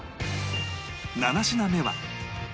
７品目は